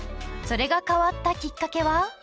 それが変わったきっかけは？